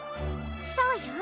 そうよ。